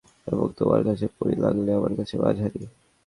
এবং তোমার কাছে পরী লাগলে আমার কাছে মাঝারি।